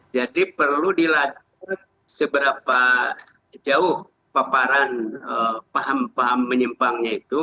jadi perlu dilakukan seberapa jauh paparan paham paham menyimpangnya itu